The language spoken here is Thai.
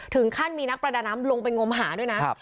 ถึงขั้นมีนักประดาน้ำลงไปงมหาด้วยนะ